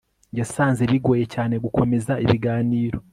yasanze bigoye cyane gukomeza ibiganiro